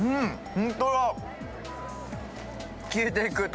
ホントだ！